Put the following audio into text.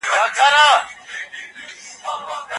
په وليمه کي صحيح نيت لرل لازم دی.